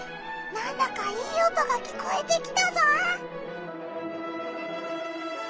なんだかいい音が聞こえてきたぞ！